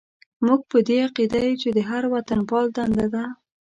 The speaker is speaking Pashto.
موږ په دې عقیده یو چې د هر وطنپال دنده ده.